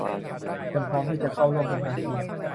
เตรียมพร้อมที่จะเข้าร่วมเป็นภาคี